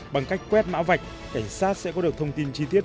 bằng cách quét mã vạch cảnh sát sẽ có được thông tin chi tiết